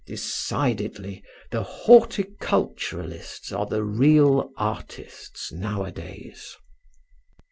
Decidedly the horticulturists are the real artists nowadays."